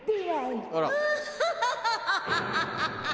アハハハ！